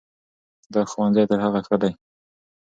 دا ښوونځی تر هغه ښه ده.